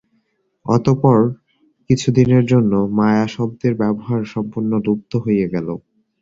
অতঃপর কিছুদিনের জন্য মায়া-শব্দের ব্যবহার সম্পূর্ণ লুপ্ত হইয়া গেল।